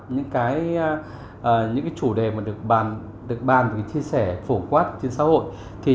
những cái chủ đề mà được bàn được chia sẻ phổ quát trên xã hội